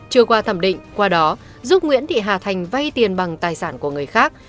chưa qua thẩm định qua đó giúp nguyễn thị hà thành vay tiền bằng tài sản của người khác